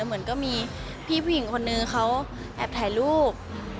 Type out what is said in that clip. เหมือนก็มีพี่ผู้หญิงคนนึงเขาแอบถ่ายรูป